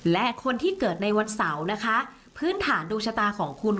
และคนที่เกิดในวันเสาร์นะคะพื้นฐานดวงชะตาของคุณ